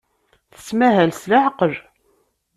Tettmahal s leɛqel.